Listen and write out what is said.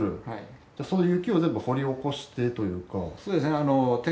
その雪を全部掘り起こしてというか。